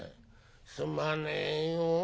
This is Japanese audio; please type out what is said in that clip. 「すまねえよ。